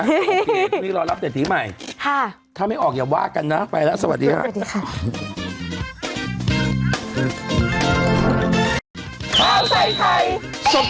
นี่รอรับเศรษฐีใหม่ถ้าไม่ออกอย่าว่ากันนะไปแล้วสวัสดีค่ะสวัสดีค่ะ